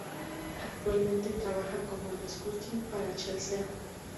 Actualmente trabaja como scouting para Chelsea.